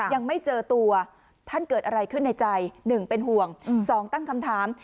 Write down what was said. ยังไม่เจอตัวท่านเกิดอะไรขึ้นในใจ๑เป็นห่วงสองตั้งคำถาม